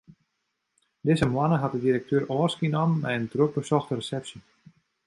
Dizze moanne hat de direkteur ôfskie nommen mei in drok besochte resepsje.